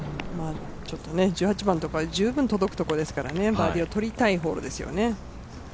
１８番とか、十分届くところですからね、バーディーをとりたいホールですよね。